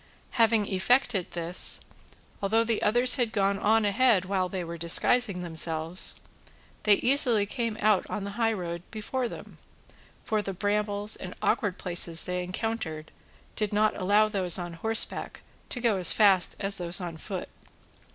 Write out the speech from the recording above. Having effected this, although the others had gone on ahead while they were disguising themselves, they easily came out on the high road before them, for the brambles and awkward places they encountered did not allow those on horseback to go as fast as those on foot.